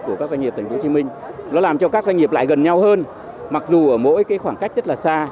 của các doanh nghiệp tp hcm nó làm cho các doanh nghiệp lại gần nhau hơn mặc dù ở mỗi cái khoảng cách rất là xa